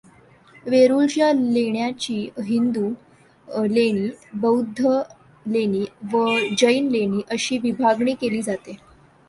वेरूळच्या लेण्यांची हिंदू लेणी, बौद्ध लेणी व जैन लेणी अशी विभागणी केली जाते.